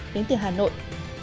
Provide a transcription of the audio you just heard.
đến từ hà nội